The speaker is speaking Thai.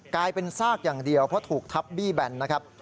กลายเป็นซากอย่างเดียวเพราะถูกทับบี้แบนนะครับ